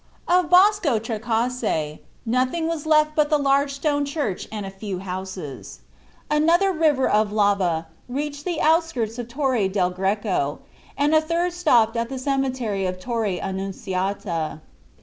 Of Bosco Trecase nothing was left but the large stone church and a few houses. Another river of lava reached the outskirts of Torre del Greco, and a third stopped at the cemetery of Torre Annunziata.